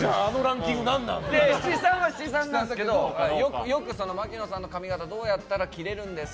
七三は七三なんですけどよく槙野さんの髪形どうやったら切れるんですか？